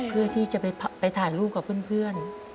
เพื่อที่จะไปถ่ายรูปกับเพื่อน